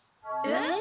えっ！？